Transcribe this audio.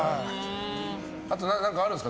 あと、何かあるんですか。